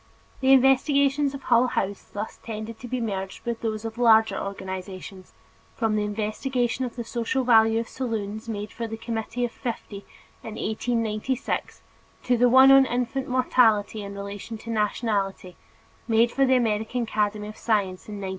The investigations of Hull House thus tend to be merged with those of larger organizations, from the investigation of the social value of saloons made for the Committee of Fifty in 1896, to the one on infant mortality in relation to nationality, made for the American Academy of Science in 1909.